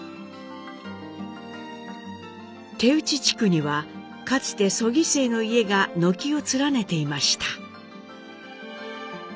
手打地区にはかつて曽木姓の家が軒を連ねていました。